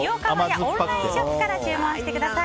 オンラインショップから注文してください。